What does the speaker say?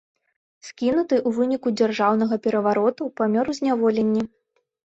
Скінуты ў выніку дзяржаўнага перавароту, памёр у зняволенні.